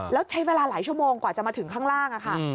แล้วใช้เวลาหลายชั่วโมงกว่าจะมาถึงข้างล่างค่ะ